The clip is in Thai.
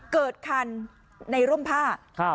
เกิดคันในร่มผ้า